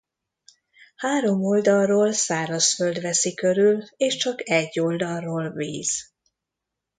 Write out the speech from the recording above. Három oldalról szárazföld veszi körül és csak egy oldalról víz.